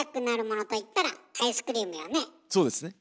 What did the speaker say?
そうですね。